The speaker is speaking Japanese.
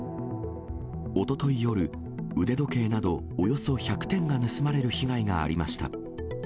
おととい夜、腕時計などおよそ１００点が盗まれる被害がありました。